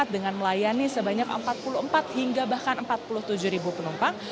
dengan melayani sebanyak empat puluh empat hingga bahkan empat puluh tujuh ribu penumpang